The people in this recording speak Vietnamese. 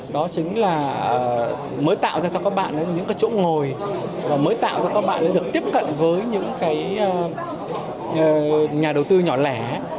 đó chính là mới tạo ra cho các bạn những chỗ ngồi và mới tạo ra cho các bạn được tiếp cận với những nhà đầu tư nhỏ lẻ